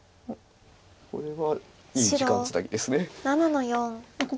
これはいい時間つなぎです。